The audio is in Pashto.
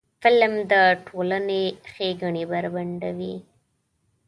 فلم د ټولنې ښېګڼې بربنډوي